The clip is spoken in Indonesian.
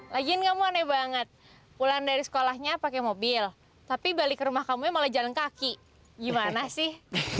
lagian kamu aneh banget pulang dari sekolahnya pakai mobil tapi balik ke rumah kamu malah jalan kaki gimana sih